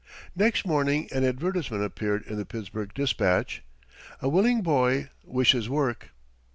Next morning an advertisement appeared in the "Pittsburgh Dispatch": "A willing boy wishes work."